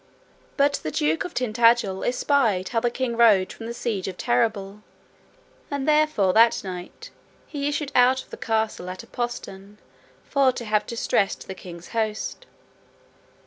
But the duke of Tintagil espied how the king rode from the siege of Terrabil, and therefore that night he issued out of the castle at a postern for to have distressed the king's host.